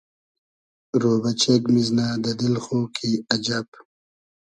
رۉبۂ چېگ میزنۂ دۂ دیل خو کی اجئب